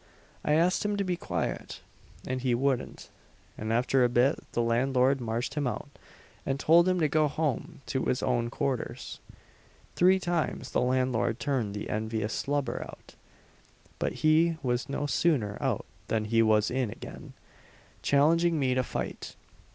I asked him to be quiet, and he wouldn't; and after a bit the landlord marched him out, and told him to go home to his own quarters. Three times the landlord turned the envious lubber out, but he was no sooner out than he was in again, challenging me to fight.